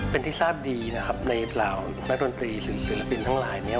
เป็นทิศาสตร์ดีนะครับในหล่านักดนตรีศิลปินทั้งหลาย